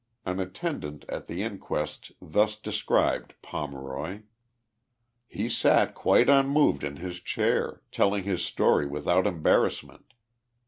An attendant at the inquest thus described Pomeroy : 44 He sat quite unmoved in his chair, telling his story without embarrassment.